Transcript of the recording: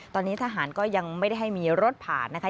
ตอนนี้ทหารก็ยังไม่ได้ให้มีรถผ่านนะคะ